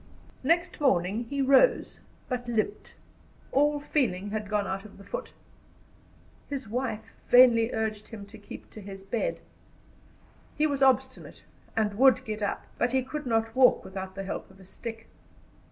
Next morning he rose, but limped; all feeling had gone out of the foot. His wife vainly urged him to keep to his bed. He was obstinate, and would get up; but he could not walk without the help of a stick.